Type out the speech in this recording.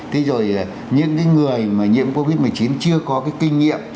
thế rồi những người mà nhiễm covid một mươi chín chưa có cái kinh nghiệm